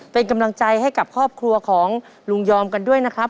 เป็นกำลังใจให้กับครอบครัวของลุงยอมกันด้วยนะครับ